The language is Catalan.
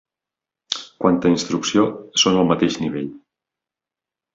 Quant a instrucció, són al mateix nivell.